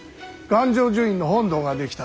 願成就院の本堂が出来た。